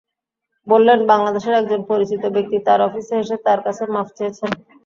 বললেন, বাংলাদেশের একজন পরিচিত ব্যক্তি তাঁর অফিসে এসে তাঁর কাছে মাফ চেয়েছেন।